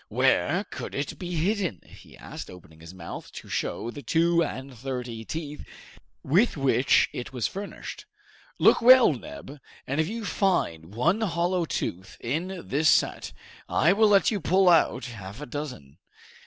Where could it be hidden?" he asked, opening his mouth to show the two and thirty teeth with which it was furnished. "Look well, Neb, and if you find one hollow tooth in this set, I will let you pull out half a dozen!"